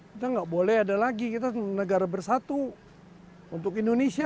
kita nggak boleh ada lagi kita negara bersatu untuk indonesia